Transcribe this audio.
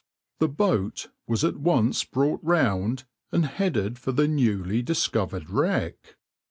The boat was at once brought round and headed for the newly discovered wreck.